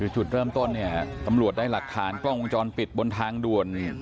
จุดเริ่มต้นเนี่ยตำรวจได้หลักฐานกล้องวงจรปิดบนทางด่วน